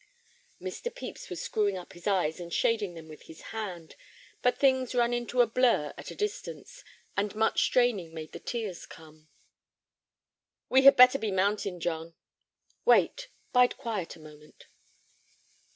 Mr. Pepys was screwing up his eyes and shading them with his hand, but things run into a blur at a distance, and much straining made the tears come. "We had better be mounting, John." "Wait! Bide quiet a moment."